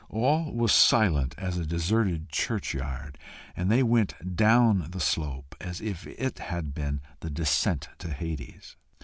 All was silent as a deserted churchyard, and they went down the slope as if it had been the descent to Hades.